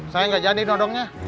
saya nggak jadi nodongnya